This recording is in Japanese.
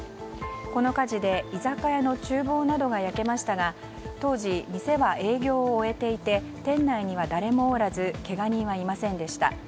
この火事で居酒屋の厨房などが焼けましたが当時、店は営業を終えていて店内には誰もおらずけが人はいませんでした。